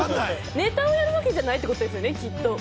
ネタをやるわけじゃないってことですよね。